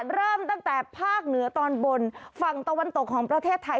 เริ่มตั้งแต่ภาคเหนือตอนบนฝั่งตะวันตกของประเทศไทย